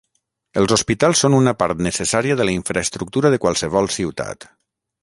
Els hospitals són una part necessària de la infraestructura de qualsevol ciutat.